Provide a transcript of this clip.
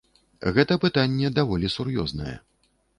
Гэта пытанне даволі сур'ёзнае.